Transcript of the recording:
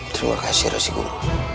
terima kasih rasikuru